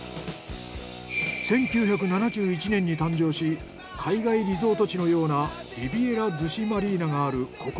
１９７１年に誕生し海外リゾート地のようなリビエラ逗子マリーナがあるここ